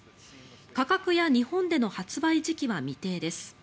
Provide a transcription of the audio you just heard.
価格や日本での発売時期は未定です。